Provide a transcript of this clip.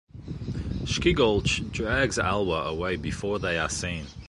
Schigolch drags Alwa away before they are seen.